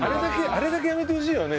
あれだけやめてほしいよね